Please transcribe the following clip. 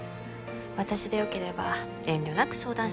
私でよければ遠慮なく相談してね。